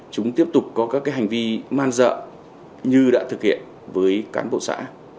chúng tiếp tục có các hành vi man dợ như đã thực hiện với cán bộ xã